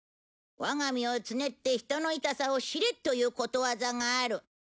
我が身をつねって人の痛さを知れということわざがある。